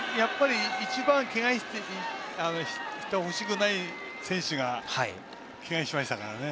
一番、けがしてほしくない選手がけがしましたからね。